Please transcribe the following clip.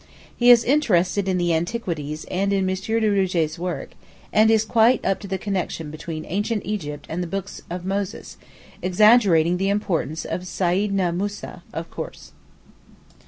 He is interested in the antiquities and in M. de Rougé's work, and is quite up to the connection between Ancient Egypt and the books of Moses, exaggerating the importance of Seyidna Moussa, of course.